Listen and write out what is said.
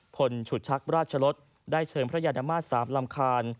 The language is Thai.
ผลฉุดชักมราชลศได้เชิงพระญาณมาสามลำคาญ